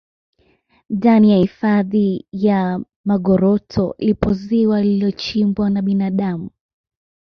ndani ya hifadhi ya magoroto lipo ziwa lililochimbwa na binadamu